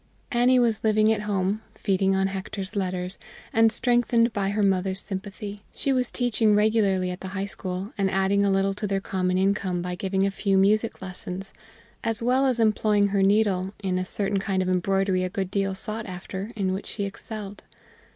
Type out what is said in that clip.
Annie was living at home, feeding on Hector's letters, and strengthened by her mother's sympathy. She was teaching regularly at the High School, and adding a little to their common income by giving a few music lessons, as well as employing her needle in a certain kind of embroidery a good deal sought after, in which she excelled.